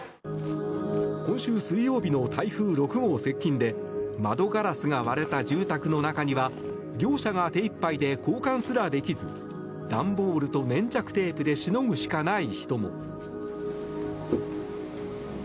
今週水曜日の台風６号接近で窓ガラスが割れた住宅の中には業者が手いっぱいで交換すらできず段ボールと粘着テープでしのぐしかない人も。